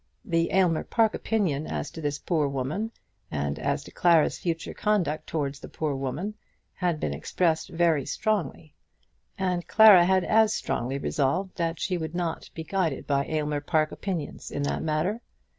The Aylmer Park opinion as to this poor woman, and as to Clara's future conduct towards the poor woman, had been expressed very strongly; and Clara had as strongly resolved that she would not be guided by Aylmer Park opinions in that matter.